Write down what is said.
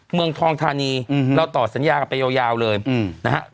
เมืองทองทานีอืมแล้วต่อสัญญากันไปยาวเลยอืมนะฮะ